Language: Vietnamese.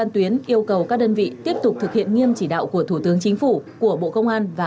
tuyến yêu cầu các đơn vị tiếp tục thực hiện nghiêm chỉ đạo của thủ tướng chính phủ của bộ công an và